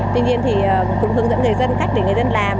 tuy nhiên thì cũng hướng dẫn người dân cách để người dân làm